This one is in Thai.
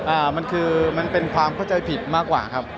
อ่ามันคือมันเป็นความเข้าใจผิดมากกว่าครับ